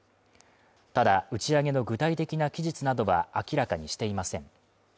ただ、打ち上げの具体的な期日などは明らかにしていません。